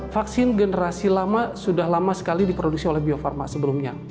vaksin generasi lama sudah lama sekali diproduksi oleh bio farma sebelumnya